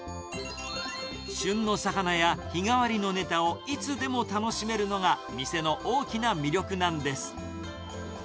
旬の魚や日替わりのネタをいつでも楽しめるのが、店の大きな魅力なんです。